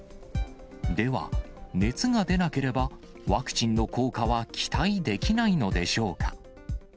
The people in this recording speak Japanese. では、熱が出なければワクチンの効果は期待できないのでしょうか？